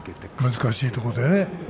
難しいところだね。